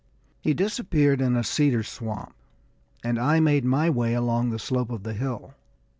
He disappeared in a cedar swamp, and I made my way along the slope of a hill.